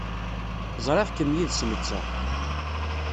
Ẓriɣ-kem yid-s netta.